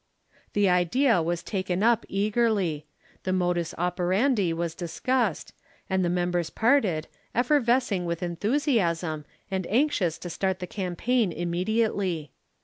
The idea was taken up eagerly the modus operandi was discussed, and the members parted, effervescing with enthusiasm and anxious to start the campaign immediately.